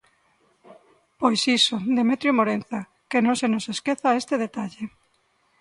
Pois iso, Demetrio Morenza, que non se nos esqueza este detalle...